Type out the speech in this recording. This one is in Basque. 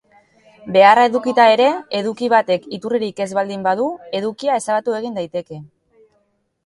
Beharra edukita ere, eduki batek iturririk ez baldin badu, edukia ezabatu egin daiteke.